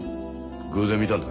偶然見たんだ。